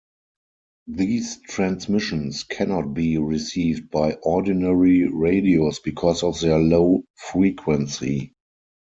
These transmissions cannot be received by ordinary radios because of their low frequency.